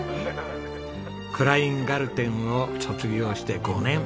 クラインガルテンを卒業して５年。